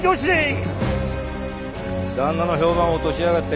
旦那の評判を落としやがった